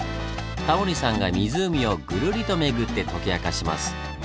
タモリさんが湖をぐるりとめぐって解き明かします。